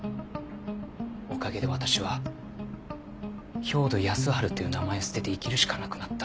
おかげで私は兵働耕春という名前を捨てて生きるしかなくなった。